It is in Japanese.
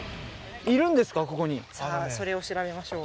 それを調べましょう。